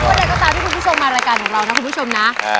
อะไรก็ตามที่คุณผู้ชมมารายการของเรานะคุณผู้ชมนะ